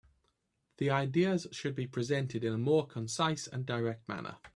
The ideas should be presented in a more concise and direct manner.